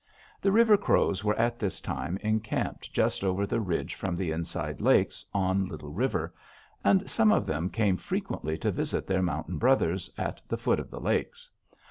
"The River Crows were at this time encamped just over the ridge from the Inside Lakes, on Little River, and some of them came frequently to visit their Mountain brothers at the foot of the lakes.